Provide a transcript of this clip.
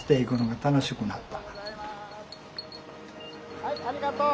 はいありがとう。